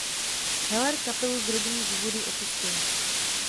Heller kapelu z rodinných důvodů opustila.